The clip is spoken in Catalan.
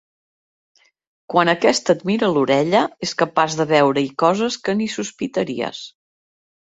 Quan aquesta et mira l'orella és capaç de veure-hi coses que ni sospitaries.